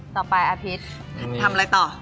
ต่อไปอาพิษทำอะไรต่อ